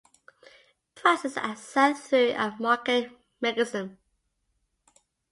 Prices are set through a market mechanism.